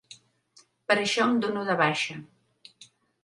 Però això em dono de baixa.